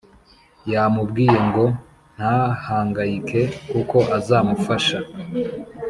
yamubwiye ngo ntahangayike kuko azamufasha